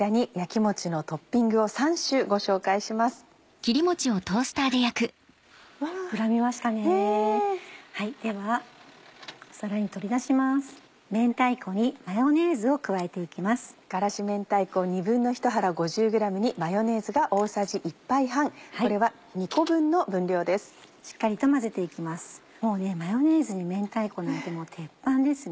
もうねマヨネーズに明太子なんて鉄板ですね。